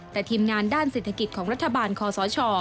แต่ทีมงานด้านเศรษฐกิจของรัฐบาลคอสช